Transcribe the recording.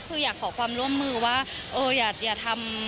คืออยากขอความร่วมมือว่าเอออย่าทำ